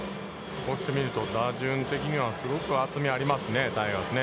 こうしてみると、打順的にはすごく厚みがありますね、タイガースね。